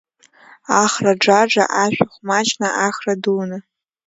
АхраЏаџы, ашәахә маҷны, ахра дуны…